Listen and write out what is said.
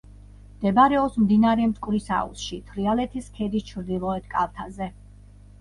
მდებარეობს მდინარე მტკვრის აუზში, თრიალეთის ქედის ჩრდილოეთ კალთაზე.